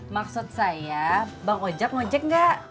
maksud saya bang ojak ngejek gak